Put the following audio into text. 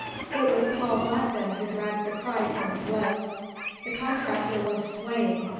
It was Paul Blackton who dragged the cry from his lips. The contractor was swaying.